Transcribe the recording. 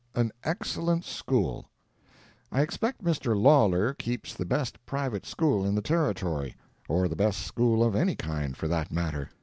AN EXCELLENT SCHOOL I expect Mr. Lawlor keeps the best private school in the Territory—or the best school of any kind, for that matter.